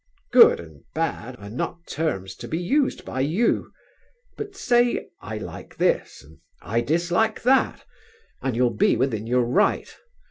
Good and bad are not terms to be used by you; but say, I like this, and I dislike that, and you'll be within your right.